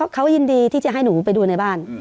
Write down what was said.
เขายินดีที่จะให้หนูไปดูในบ้าน